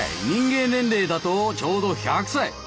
人間年齢だとちょうど１００歳！